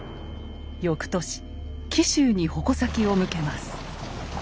翌年紀州に矛先を向けます。